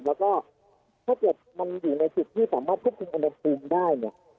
แล้วก็ถ้าเกิดมันอยู่ในจุดที่สามารถควบคุมอุณหภูมิได้เนี่ย